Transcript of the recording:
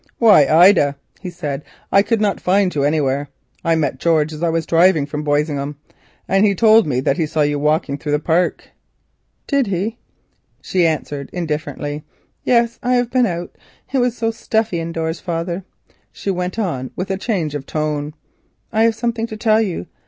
"Why, Ida," he said, "I could not find you anywhere. I met George as I was driving from Boisingham, and he told me that he saw you walking through the park." "Did he?" she answered indifferently. "Yes, I have been out. It was so stuffy indoors. Father," she went on, with a change of tone, "I have something to tell you.